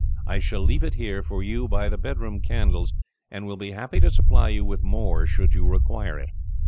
I shall leave it here for you by the bedroom candles, and will be happy to supply you with more, should you require it."